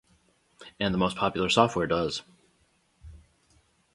And the most popular software does.